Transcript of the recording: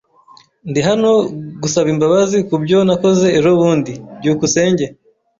Ndi hano gusaba imbabazi kubyo nakoze ejobundi. byukusenge